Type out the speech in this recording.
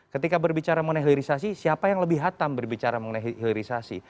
ketika berbicara mengenai hilirisasi siapa yang lebih hatam berbicara mengenai hilirisasi